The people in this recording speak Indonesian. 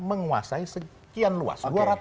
menguasai sekian luas